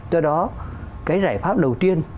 do đó cái giải pháp đầu tiên